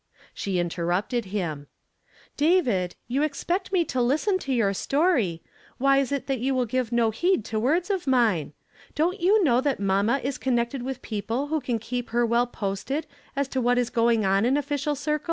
Slie interrupted him, "David, you expect me to listen to your story why is it that you will give no heed to words of mine •> Don't you know that mamma is connectea with people who can keep her well posted as to what IS going on in official cifcles